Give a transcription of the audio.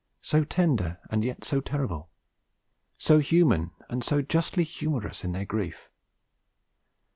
So tender and yet so terrible! So human and so justly humorous in their grief!